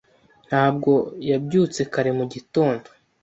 Ntabwo yabyutse kare mu gitondo.